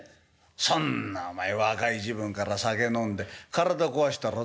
そんなお前若い時分から酒飲んで体壊したらどうすんだよお前。